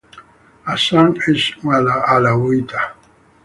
Hassan es un alauita.